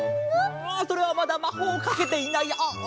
ああそれはまだまほうをかけていないあっあっ。